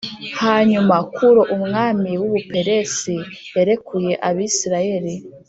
Hanyuma Kuro umwami w u Buperesi yarekuye Abisirayeli